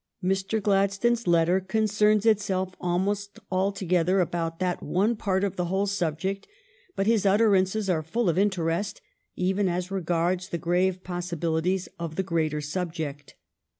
Mr. Gladstone's letter concerns itself almost alto gether about that one part of the whole subject, but his utterances are full of interest, even as regards the grave possibilities of the greater subject.